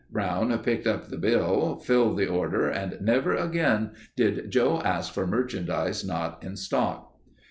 Brown picked up the bill, filled the order and never again did Joe ask for merchandise not in stock.